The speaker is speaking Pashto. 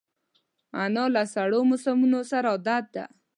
انا له سړو موسمونو سره عادت ده